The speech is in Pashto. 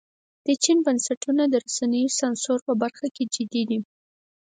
د چین بنسټونه د رسنیو سانسور په برخه کې جدي دي.